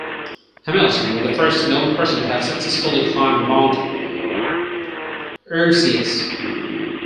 Hamilton was the first known person to have successfully climbed Mount Erciyes.